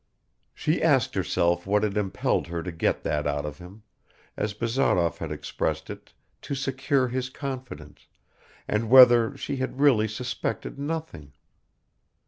She asked herself what had impelled her to get that out of him, as Bazarov had expressed it, to secure his confidence, and whether she had really suspected nothing